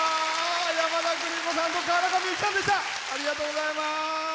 山田邦子さんと川中美幸さんでした。